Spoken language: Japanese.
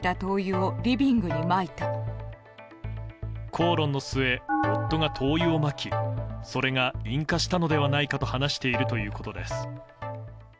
口論の末、夫が灯油をまきそれが引火したのではないかと話しているということです。